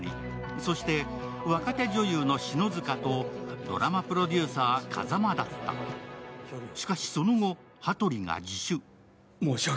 そして若手女優の篠塚とドラマプロデューサー・風間だったしかしその後、羽鳥が自首。